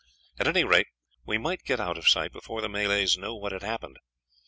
At any rate, we might get out of sight before the Malays knew what had happened.